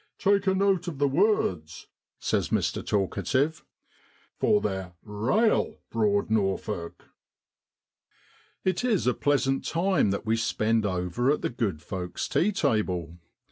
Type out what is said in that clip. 'Take note of the words !' says Mr. Talkative, 'for they're rale Broad Nor folk!' It is a pleasant time that we spend over the good folk's tea table.